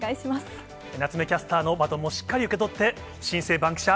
夏目キャスターのバトンもしっかり受け取って、新生バンキシャ！